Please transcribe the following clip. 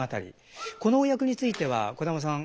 このお役については小玉さん